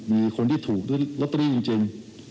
มีคนที่ถูกล็อตเตอรี่จริง